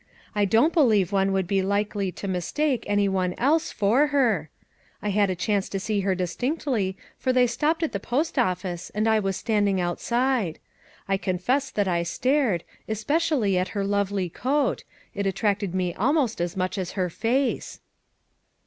I don't believe one would be likely to mistake any one else for her. I had a chance to see her distinctly for FOUR MOTHERS AT CHAUTAUQUA 229 tliey stopped at the post office and I was stand ing outside. I confess that I stared, espe cially at her lovely coat; it attracted me almost as much as her face."